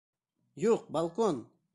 Юҡ, балкон!